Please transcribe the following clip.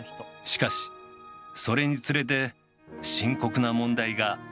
しかしそれにつれて深刻な問題が立ち上がった。